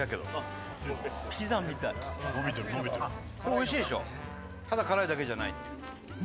おいしいでしょ、ただ辛いだけじゃない。